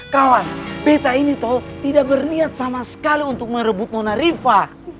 kawan peta ini tidak berniat sama sekali untuk merebut nona riva